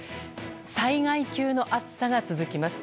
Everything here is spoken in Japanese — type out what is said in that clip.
災害級の暑さが続きます。